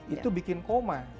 itu bikin koma